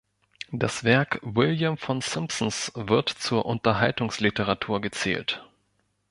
Das Werk William von Simpsons wird zur Unterhaltungsliteratur gezählt.